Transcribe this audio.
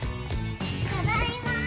ただいまー！